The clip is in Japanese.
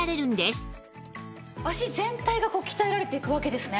足全体がこう鍛えられていくわけですね。